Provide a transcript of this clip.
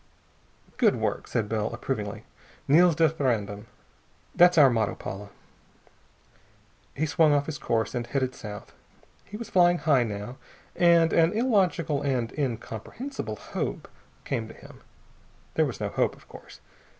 "Good work!" said Bell approvingly. "Nils desperandum! That's our motto, Paula." He swung off his course and headed south. He was flying high, now, and an illogical and incomprehensible hope came to him. There was no hope, of course.